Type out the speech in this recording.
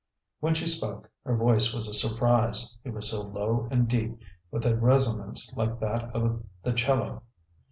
When she spoke, her voice was a surprise, it was so low and deep, with a resonance like that of the 'cello.